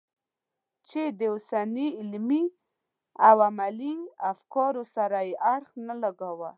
چې د اوسني علمي او عملي افکارو سره یې اړخ نه لګاوه.